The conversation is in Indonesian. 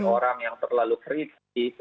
orang yang terlalu kritis